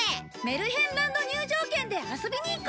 メルヘンランド入場券で遊びに行こう！